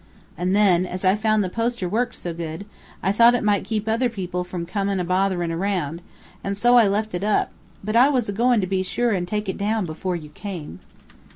An' then, as I found the poster worked so good, I thought it might keep other people from comin' a botherin' around, and so I left it up; but I was a goin' to be sure and take it down before you came."